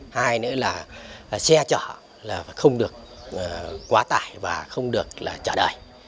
hai nữa là xe chở không được quá tải và không được trả đời